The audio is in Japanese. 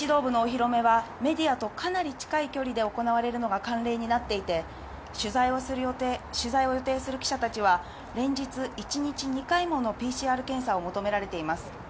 新指導部のお披露目は、メディアとかなり近い距離で行われるのが慣例になっていて、取材を予定する記者たちは連日一日２回ものＰＣＲ検査を求められています。